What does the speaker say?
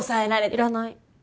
いらない。